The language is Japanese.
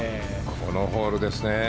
このホールですね。